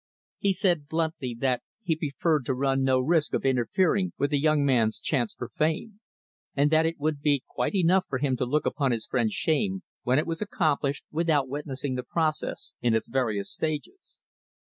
He said, bluntly, that he preferred to run no risk of interfering with the young man's chance for fame; and that it would be quite enough for him to look upon his friend's shame when it was accomplished; without witnessing the process in its various stages.